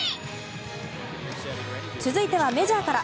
続いてはメジャーから。